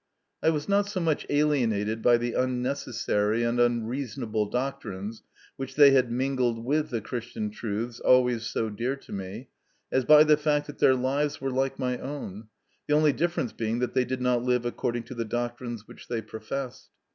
I was not so much alienated by the unneces sary and unreasonable doctrines which they had mingled with the Christian truths always so dear to me, as by the fact that their lives were like my own, the only difference being that they did not live according to the doctrines which they professed.